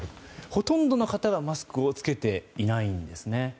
ほとんどの方がマスクを着けていないんですね。